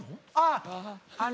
ああ！